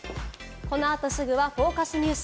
このあとすぐはＦＯＣＵＳニュース。